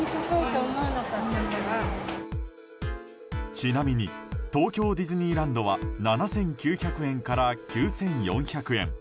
ちなみに東京ディズニーランドは７９００円から９４００円。